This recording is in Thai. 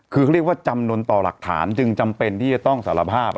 คือเขาเรียกว่าจำนวนต่อหลักฐานจึงจำเป็นที่จะต้องสารภาพ